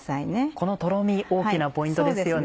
このトロミ大きなポイントですよね。